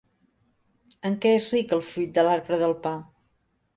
En què és ric el fruit de l'arbre del pa?